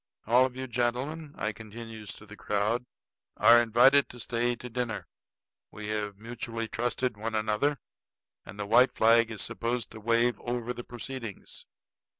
All of you gentlemen," I continues to the crowd, "are invited to stay to dinner. We have mutually trusted one another, and the white flag is supposed to wave over the proceedings."